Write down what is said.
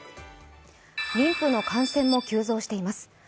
妊婦の感染も急増しています。